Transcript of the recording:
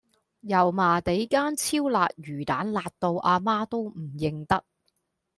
油麻地間超辣魚蛋辣到阿媽都唔認得